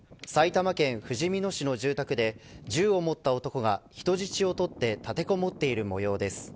埼玉県ふじみ野市の住宅で銃を持った男が人質をとって立てこもっているもようです。